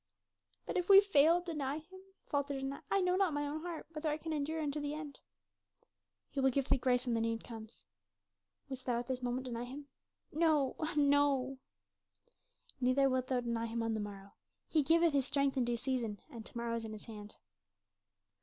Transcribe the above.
"But if we fail, deny him?" faltered Anat. "I know not my own heart whether I can endure unto the end." "He will give thee grace when the need comes. Wouldst thou at this moment deny him?" "No ah, no." "Neither wilt thou deny him on the morrow. He giveth his strength in due season, and to morrow is in his hand."